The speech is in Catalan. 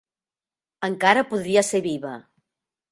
Encara podria ser viva.